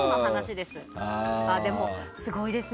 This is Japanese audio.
でも、すごいですね。